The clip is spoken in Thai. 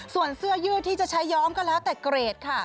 ส่วนเสื้อยืดที่จะใช้ย้อมก็แล้วแต่เกรดค่ะ